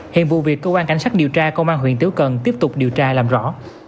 hiện vụ việc cơ quan cảnh sát điều tra công an huyện tiếu cần tiếp tục điều tra làm rõ